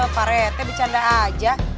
pak rete bercanda aja